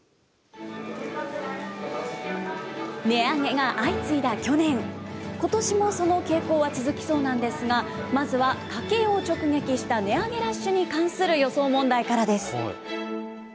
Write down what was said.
値上げが相次いだ去年、ことしもその傾向は続きそうなんですが、まずは家計を直撃した値上げラッシュに関する予想問題からです。